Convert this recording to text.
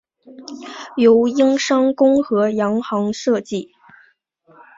由英商公和洋行设计。